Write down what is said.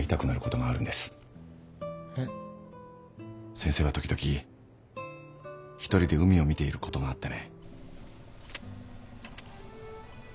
先生は時々一人で海を見ていることがあってね。